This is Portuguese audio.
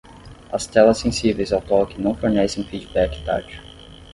As telas sensíveis ao toque não fornecem feedback tátil.